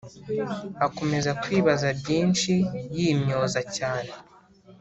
akomeza kwibaza byinshi yimyoza cyane